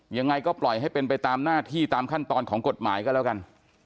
ยังไงก็ปล่อยให้เป็นไปตามหน้าที่ตามขั้นตอนของกฎหมายก็แล้วกัน